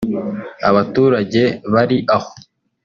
Abaturage bari aho